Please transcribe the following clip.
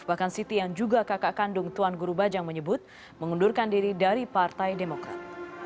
bahkan siti yang juga kakak kandung tuan guru bajang menyebut mengundurkan diri dari partai demokrat